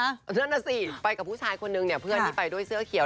นั่นน่ะสิไปกับผู้ชายคนนึงเนี่ยเพื่อนที่ไปด้วยเสื้อเขียว